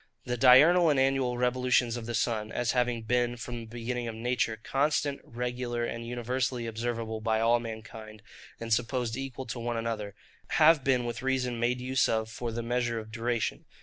The diurnal and annual revolutions of the sun, as having been, from the beginning of nature, constant, regular, and universally observable by all mankind, and supposed equal to one another, have been with reason made use of for the measure of duration.